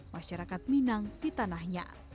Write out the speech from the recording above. masyarakat minang di tanahnya